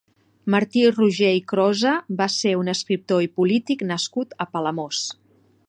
Martí Roger i Crosa va ser un escriptor i polític nascut a Palamós.